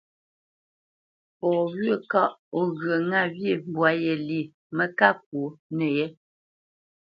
Fɔ wyə̂ kaʼ o ghyə ŋâ wyê mbwǎ yé lyê mə́ ká ŋkwǒ nəyé.